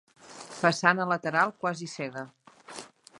Façana lateral quasi cega.